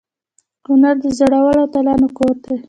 کنړ د زړورو اتلانو کور دی.